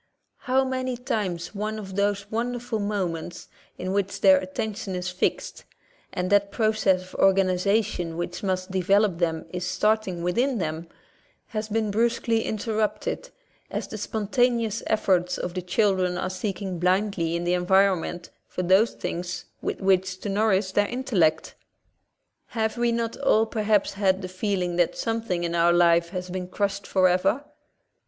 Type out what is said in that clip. How many times one of those wonderful moments, in which their attention is fixed, and that process of organization which must develop them is starting within them, has been brusquely in terrupted, as the spontaneous efforts of the children are seeking blindly in the environ ment for those things with which to nourish their intellect. Have we not all perhaps had the feeling that something in our life has been crushed forever?